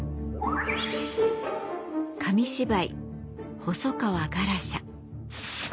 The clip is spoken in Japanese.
紙芝居「細川ガラシャ」。